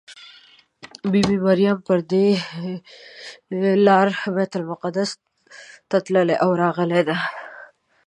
بي بي مریم پر دې لاره بیت المقدس ته تللې او راغلې ده.